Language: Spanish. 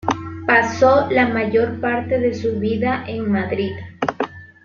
Pasó la mayor parte de su vida en Madrid.